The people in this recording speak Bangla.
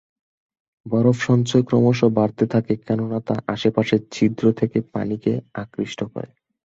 বরফ সঞ্চয় ক্রমশ বাড়তে থাকে কেননা তা আশপাশের ছিদ্র থেকে পানিকে আকৃষ্ট করে।